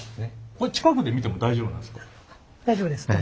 これ近くで見ても大丈夫なんですか？